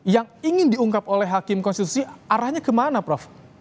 yang ingin diungkap oleh hakim konstitusi arahnya kemana prof